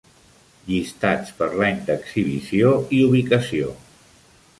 Llistats per l'any d'exhibició i ubicació.